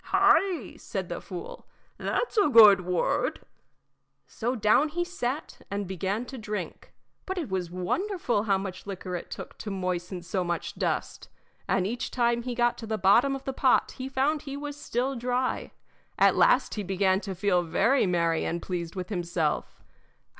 "Hi," said the fool, "that's a good word." So down he sat and began to drink. But it was wonderful how much liquor it took to moisten so much dust; and each time he got to the bottom of the pot he found he was still dry. At last he began to feel very merry and pleased with himself.